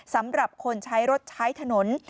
สำหรับคนใช้รถใช้ถนน